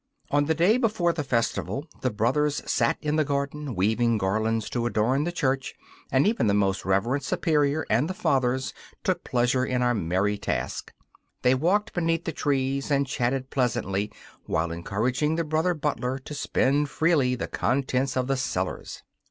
On the day before the festival the brothers sat in the garden, weaving garlands to adorn the church; even the most reverend Superior and the Fathers took pleasure in our merry task. They walked beneath the trees and chatted pleasantly while encouraging the brother butler to spend freely the contents of the cellars.